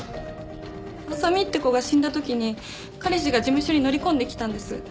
あさみって子が死んだ時に彼氏が事務所に乗り込んできたんです。